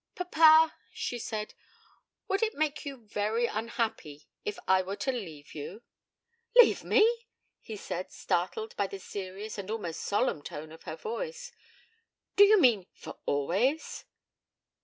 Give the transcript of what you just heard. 'Papa,' she said, 'would it make you very unhappy if I were to leave you?' 'Leave me!' he said, startled by the serious and almost solemn tone of her voice. 'Do you mean for always?'